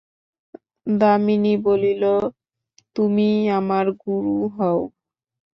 দামিনী বলিল, তুমিই আমার গুরু হও।